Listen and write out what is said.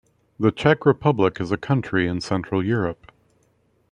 The Czech Republic is a country in Central Europe.